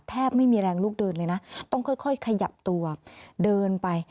ไม่มีแรงลูกเดินเลยนะต้องค่อยขยับตัวเดินไป